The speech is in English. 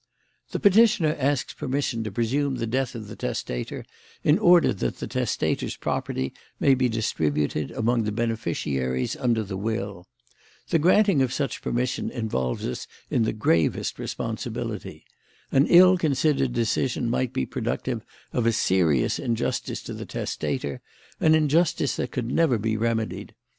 "The petitioner asks permission to presume the death of the testator in order that the testator's property may be distributed among the beneficiaries under the will. The granting of such permission involves us in the gravest responsibility. An ill considered decision might be productive of a serious injustice to the testator, an injustice that could never be remedied.